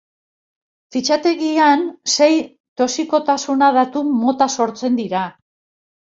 Fitxategian sei toxikotasuna datu mota sartzen dira.